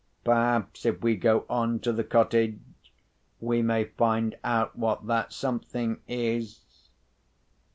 Perhaps, if we go on to the cottage, we may find out what that something is?"